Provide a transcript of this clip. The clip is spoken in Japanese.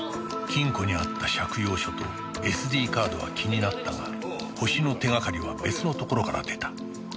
金庫にあった借用書と ＳＤ カードは気になったがホシの手がかりは別のところから出た